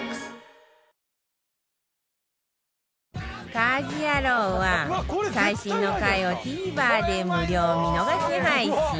『家事ヤロウ！！！』は最新の回を ＴＶｅｒ で無料見逃し配信